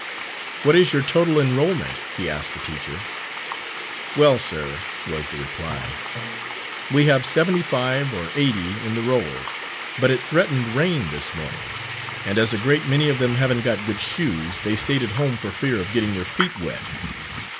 "What is your total enrolment?" he asked the teacher. "Well, sir," was the reply, "we have seventy five or eighty on the roll, but it threatened rain this morning, and as a great many of them haven't got good shoes, they stayed at home for fear of getting their feet wet."